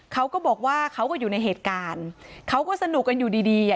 เขาก็บอกว่าเขาก็อยู่ในเหตุการณ์เขาก็สนุกกันอยู่ดีดีอ่ะ